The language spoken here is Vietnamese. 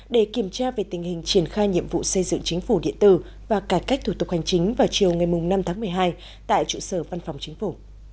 để kiểm tra về tình hình triển khai nhiệm vụ xây dựng chính phủ điện tử và cải cách thủ tục hành chính vào chiều ngày năm tháng một mươi hai tại trụ sở văn phòng chính phủ